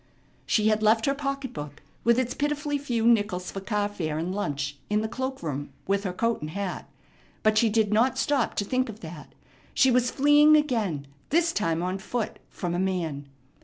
She had left her pocketbook, with its pitifully few nickels for car fare and lunch, in the cloak room with her coat and hat. But she did not stop to think of that. She was fleeing again, this time on foot, from a man.